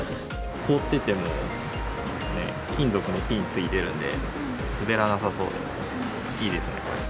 凍ってても金属のピンがついているので、滑らなさそうです。